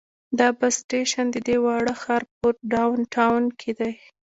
دا بس سټیشن د دې واړه ښار په ډاون ټاون کې دی.